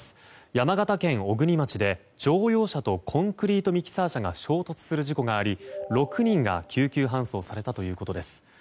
山形県小国町で乗用車とコンクリートミキサー車が衝突する事故があり、６人が救急搬送されたということです。